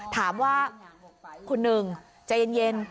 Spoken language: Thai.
ถามว่าคุณหนึ่งใจเย็น